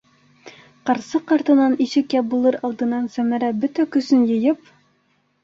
Ҡарсыҡ артынан ишек ябылыр алдынан Сәмәрә бөтә көсөн йыйып: